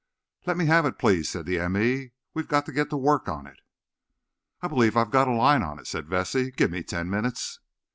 "Let's have it, please," said the m. e. "We've got to get to work on it." "I believe I've got a line on it," said Vesey. "Give me ten minutes."